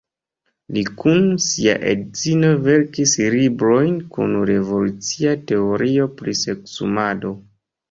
Li kun sia edzino verkis librojn kun revolucia teorio pri seksumado.